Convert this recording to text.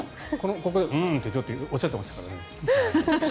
ここでうーんってちょっとおっしゃってましたからね。